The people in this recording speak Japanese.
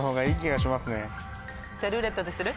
じゃあ「ルーレット」でする？